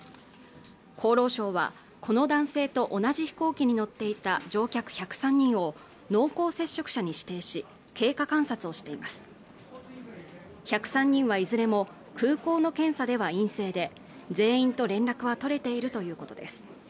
厚労省はこの男性と同じ飛行機に乗っていた乗客１０３人を濃厚接触者に指定し経過観察をしています１０３人はいずれも空港の検査では陰性で全員と連絡は取れているということです